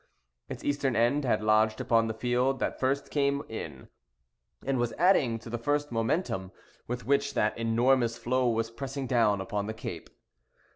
Its eastern end had lodged upon the field that first came in, and was adding to the first momentum with which that enormous floe was pressing down upon the cape.